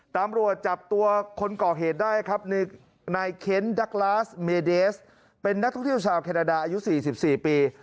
ตำรวจจับตัวคนก่อเหตุได้ครับนายเค้นดักลาสเมเดสเป็นนักท่องเที่ยวชาวแคนาดาอายุ๔๔ปี